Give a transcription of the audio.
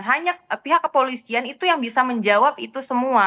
hanya pihak kepolisian itu yang bisa menjawab itu semua